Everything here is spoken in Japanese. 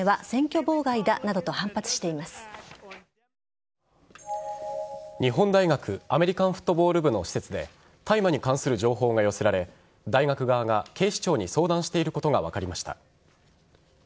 トランプ氏の陣営は選挙妨害だなどと日本大学アメリカンフットボール部の施設で大麻に関する情報が寄せられ大学側が警視庁に相談していることが分かりました。